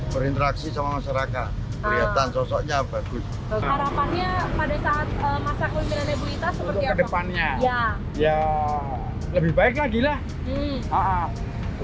berinteraksi sama masyarakat kelihatan sosoknya bagus harapannya pada saat masa keliminan ebu